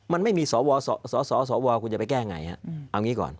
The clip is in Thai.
มันไม่มีสสวคุณจะไปแก้ไงเอางี้ก่อน